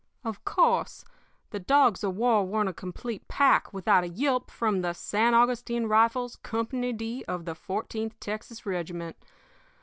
"Of course the dogs of war weren't a complete pack without a yelp from the San Augustine Rifles, Company D, of the Fourteenth Texas Regiment.